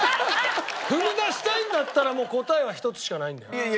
踏み出したいんだったらもう答えは一つしかないんだよ。